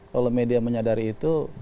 kalau media menyadari itu